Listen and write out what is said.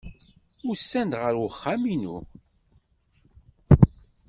Usan-d ɣer uxxam-inu.